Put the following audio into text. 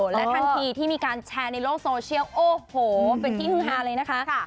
และทันทีที่มีการแชร์ในโลกโซเชียลโอ้โหเป็นที่ฮือฮาเลยนะคะ